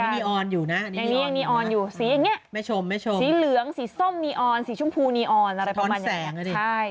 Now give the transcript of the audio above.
อันนี้นีออนอยู่นะสีอย่างนี้สีเหลืองสีส้มนีออนสีชมพูนีออนอะไรประมาณนี้